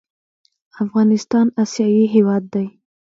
افغانستان اسیایي هېواد دی.